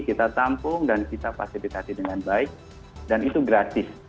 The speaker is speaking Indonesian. kita tampung dan kita fasilitasi dengan baik dan itu gratis